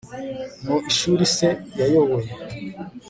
mu ishuri se yayoboye